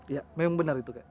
iya memang benar itu kakek